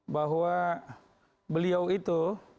bahwa beliau itu